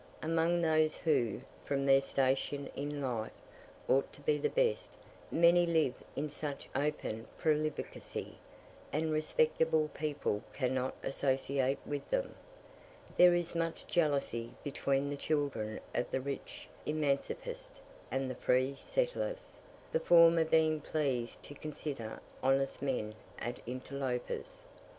Among those who, from their station in life, ought to be the best, many live in such open profligacy that respectable people cannot associate with them. There is much jealousy between the children of the rich emancipist and the free settlers, the former being pleased to consider honest men as interlopers.